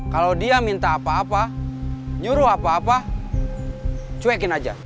kalau dia minta apa apa nyuruh apa apa cuekin aja